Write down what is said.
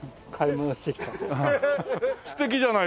素敵じゃない。